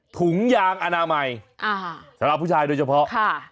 ถุงยางอนามัยอ่าสำหรับผู้ชายโดยเฉพาะค่ะ